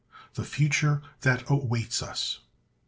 THE FUTURE THAT AWAITS US.